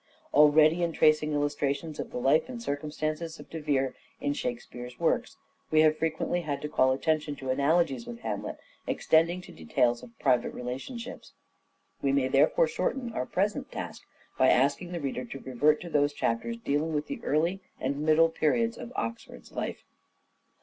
Already, in tracing illustrations of the life and circumstances of De Vere in Shakespeare's works, we have frequently had to call attention to analogies with Hamlet, extending to details of private relationships. We may therefore shorten our present task by asking the reader to revert to those chapters dealing with the early and middle periods of Oxford's life.